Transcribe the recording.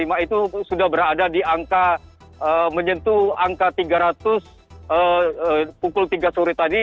itu sudah berada di angka menyentuh angka tiga ratus pukul tiga sore tadi